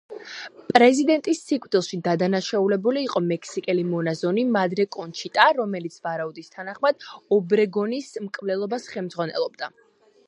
პრეზიდენტის სიკვდილში დადანაშაულებული იყო მექსიკელი მონაზონი, მადრე კონჩიტა, რომელიც ვარაუდის თანახმად ობრეგონის მკვლელობას ხელმძღვანელობდა.